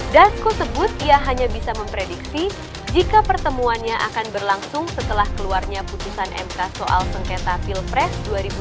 dasko sebut ia hanya bisa memprediksi jika pertemuannya akan berlangsung setelah keluarnya putusan mk soal sengketa pilpres dua ribu dua puluh